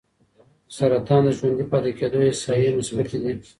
د سرطان د ژوندي پاتې کېدو احصایې مثبتې دي.